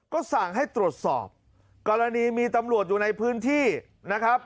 ก็สั่งให้ตรวจสอบกรณีมีตำรวจอยู่ในพื้นที่นะครับ